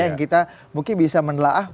yang kita mungkin bisa menelaah